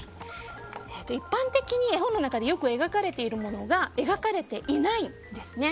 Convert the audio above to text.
一般的に絵本の中でよく描かれているものが描かれていないんですね